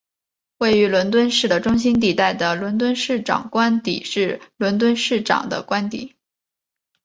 位于伦敦市的中心地带的伦敦市长官邸是伦敦市市长的官邸。